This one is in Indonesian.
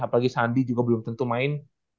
apalagi sandi juga belum tentu main